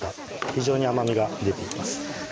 非常に甘みが出ています